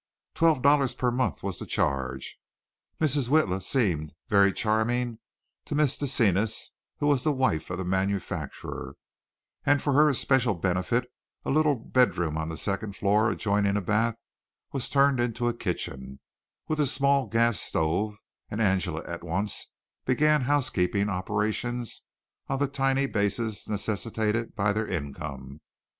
Twelve dollars per month was the charge. Mrs. Witla seemed very charming to Mrs. Desenas, who was the wife of the manufacturer, and for her especial benefit a little bedroom on the second floor adjoining a bath was turned into a kitchen, with a small gas stove, and Angela at once began housekeeping operations on the tiny basis necessitated by their income.